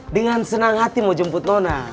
dengan senang hati mau jemput nona